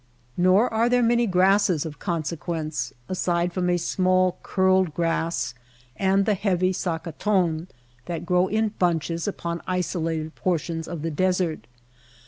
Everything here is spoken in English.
Nor are there many grasses of consequence aside from a small curled grass and the heavy sacaton that grow in bunches upon isolated portions of the desert.